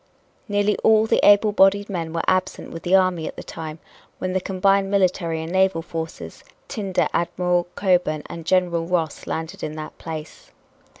Nearly all the able bodied men were absent with the army at the time when the combined military and naval forces tinder Admiral Cockburn and General Ross landed at that place.